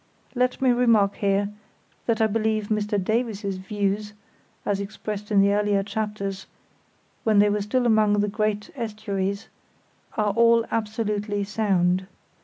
Let me remark here, that I believe Mr "Davies's" views, as expressed in the earlier chapters, when they were still among the great estuaries, are all absolutely sound.